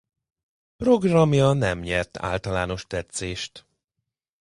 Programja nem nyert általános tetszést.